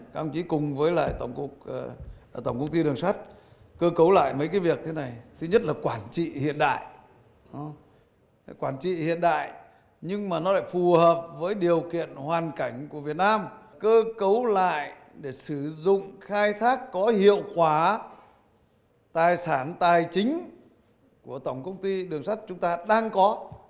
cơ cấu lại để sử dụng khai thác có hiệu quả tài sản tài chính của tổng công ty đường sắt chúng ta đang có